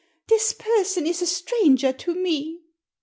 This person is a stranger to me."